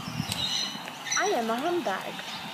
I am a humbug.